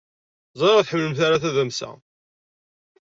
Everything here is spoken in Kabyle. Ẓriɣ ur tḥemmlemt ara tadamsa.